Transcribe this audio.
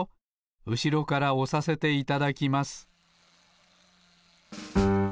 うしろからおさせていただきます